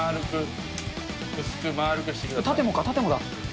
薄く、縦もか、縦もだ。